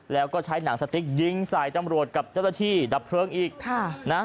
แล้วก็ใช้หนังสติ๊กยิงใส่ตำรวจกับเจ้าหน้าที่ดับเพลิงอีกค่ะนะ